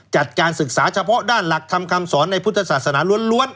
จัดการศึกษาเฉพาะด้านหลักธรรมคำสอนในพุทธศาสนาล้วน